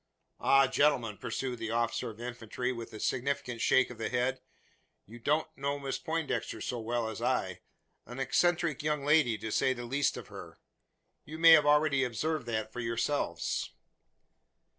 "Ah, gentlemen!" pursued the officer of infantry, with a significant shake of the head. "You don't know Miss Poindexter, so well as I. An eccentric young lady to say the least of her. You may have already observed that for yourselves."